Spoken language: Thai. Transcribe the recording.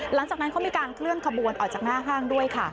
หลังจากนั้นเขามีการเคลื่อนขบวนออกจากหน้าห้างด้วยค่ะ